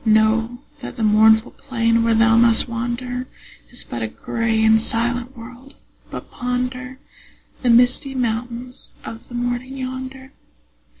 Know that the mournful plain where thou must wander Is but a gray and silent world, but ponder The misty mountains of the morning yonder.